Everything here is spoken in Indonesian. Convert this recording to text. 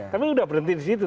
tapi sudah berhenti di situ